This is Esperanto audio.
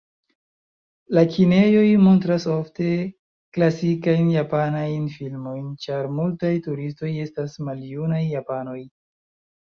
La kinejoj montras ofte klasikajn japanajn filmojn, ĉar multaj turistoj estas maljunaj japanoj.